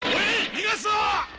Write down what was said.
逃がすな！